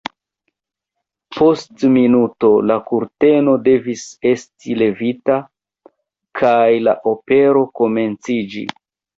Post minuto la kurteno devis esti levita kaj la opero komenciĝi.